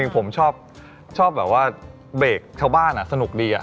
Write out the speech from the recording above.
ผมชอบเบรกชาวบ้านสนุกดี